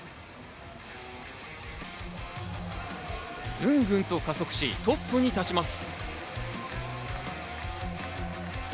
ぐんぐんと加速しトップに立ちます。